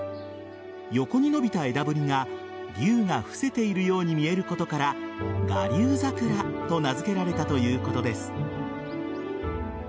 横に伸びた枝ぶりが龍が伏せているように見えることから臥龍桜と名付けられたということです。